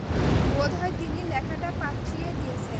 বোধ হয় তিনি লেখাটা পাঠিয়ে দিয়েছেন।